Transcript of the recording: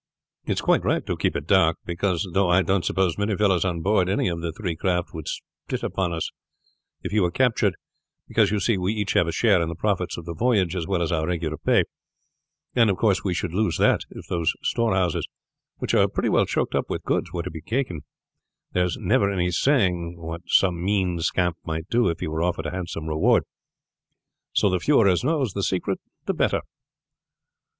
It's quite right to keep it dark; because, though I don't suppose many fellows on board any of the three craft would split upon us if he were captured, because, you see, we each have a share in the profits of the voyage as well as our regular pay, and, of course, we should lose that if those storehouses, which are pretty well choked up with goods, were to get taken, there's never any saying what some mean scamp might do if he were offered a handsome reward. So the fewer as knows the secret the better."